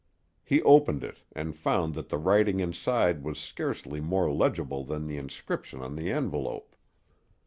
He opened it and found that the writing inside was scarcely more legible than the inscription on the envelope.